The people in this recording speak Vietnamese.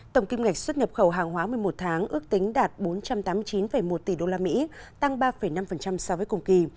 tổng kinh ngạch xuất nhập khẩu hàng hóa một mươi một tháng ước tính đạt bốn trăm tám mươi chín một tỷ đô la mỹ tăng ba năm so với cùng kỳ